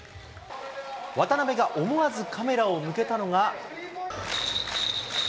渡邊が思わずカメラを向けたのが。